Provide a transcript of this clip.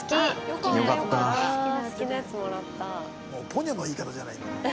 もうポニョの言い方じゃない今の。